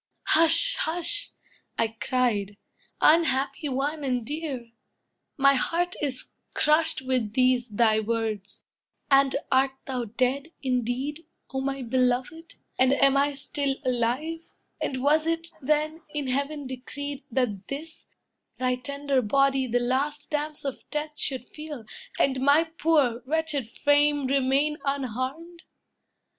—"Hush, hush!" I cried, "Unhappy one, and dear! My heart is crushed With these thy words! And art thou dead, indeed, O my beloved? and am I still alive? And was it, then, in heaven decreed, that this, Thy tender body the last damps of death Should feel, and my poor, wretched frame remain Unharmed?